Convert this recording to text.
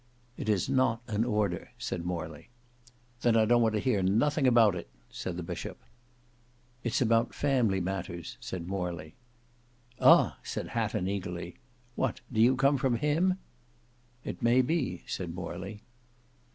"It is not an order," said Morley. "Then I don't want to hear nothing about it," said the bishop. "It's about family matters," said Morley. "Ah!" said Hatton, eagerly, "what, do you come from him?" "It may be," said Morley.